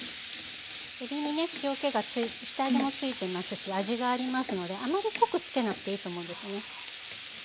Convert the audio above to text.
えびにね塩けが下味も付いてますし味がありますのであまり濃く付けなくていいと思うんですね。